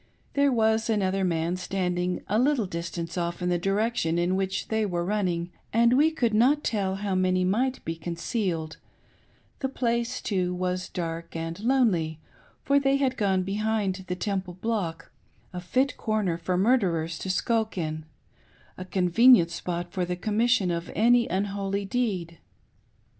There was Another man standing a little distance off in the direction in which they were running, and we could not tell how many inight be concealed: — the place, too, was dark and lonely, for Ifeey had gone behind the Temple block — a fit comer for mur derers to skulk in ; a convenient spot for the commission of any unholy deed.